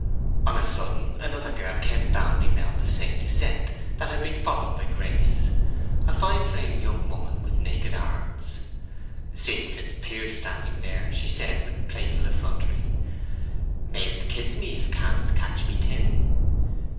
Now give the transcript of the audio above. On a sudden another girl came bounding down the same descent that had been followed by Grace—a fine framed young woman with naked arms. Seeing Fitzpiers standing there, she said, with playful effrontery, "May'st kiss me if 'canst catch me, Tim!"